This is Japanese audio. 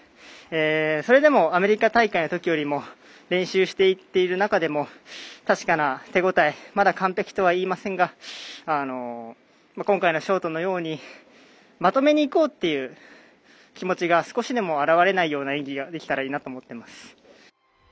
それでもアメリカ大会のときよりも練習していっている中でも確かな手応えまだ完璧とはいいませんが今回のショートのようにまとめにいこうという気持ちが少しでも表れないような演技ができたらいいなと思っています。